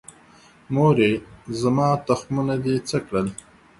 مورې، زما تخمونه دې څه کړل؟